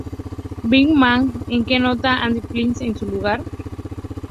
Big Man", en que toca Andy Pyle en su lugar.